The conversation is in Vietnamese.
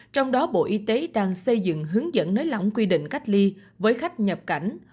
trong đó bộ y tế đang xây dựng hướng dẫn nới lỏng quy định cách ly với khách nhập cảnh